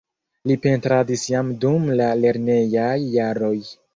Li pentradis jam dum la lernejaj jaroj.